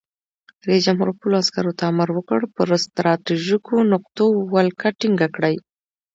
رئیس جمهور خپلو عسکرو ته امر وکړ؛ پر ستراتیژیکو نقطو ولکه ټینګه کړئ!